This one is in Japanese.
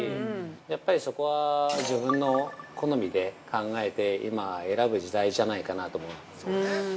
やっぱり、そこは、自分の好みで考えて今は選ぶ時代じゃないかなと思うんですよね。